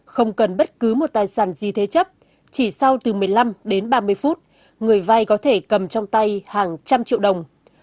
không cần bất cứ một tài sản gì thế chấp chỉ sau từ một mươi năm đến ba mươi phút người vay có thể cầm trong tay hàng trăm triệu đồng